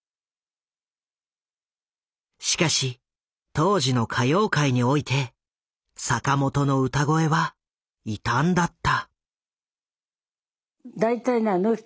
しかし当時の歌謡界において坂本の歌声は異端だった。